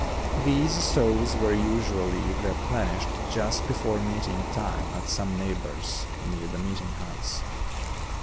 These stoves were usually replenished just before meeting time at some neighbor's near the meeting house.